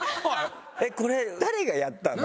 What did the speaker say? これ誰がやったの？